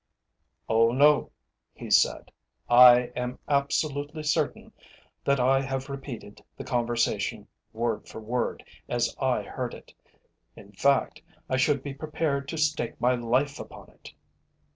"Oh no," he said, "I am absolutely certain that I have repeated the conversation word for word as I heard it. In fact, I should be prepared to stake my life upon it."